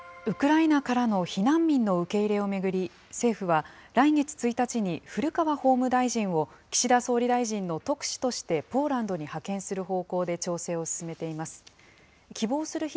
ウクライナからの避難民の受け入れを巡り、政府は、来月１日に、古川法務大臣を岸田総理大臣の特使としてポーランドに派遣する方向で調整を進めています。